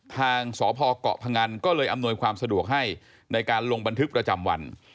ทางสพเกาะพงันก็เลยอำนวยความสะดวกให้ในการลงบันทึกประจำวัน